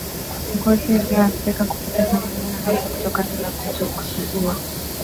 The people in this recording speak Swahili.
Ngozi iliyoathirika hupoteza manyoya hasa kutokana na kujisugua